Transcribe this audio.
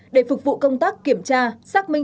để phục vụ công tác kiểm tra xác minh